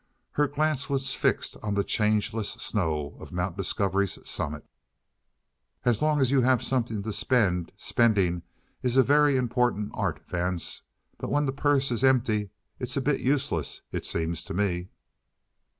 Her glance was fixed on the changeless snow of Mount Discovery's summit. "As long as you have something to spend, spending is a very important art, Vance. But when the purse is empty, it's a bit useless, it seems to me."